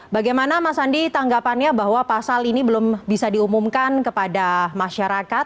bagaimana mas andi tanggapannya bahwa pasal ini belum bisa diumumkan kepada masyarakat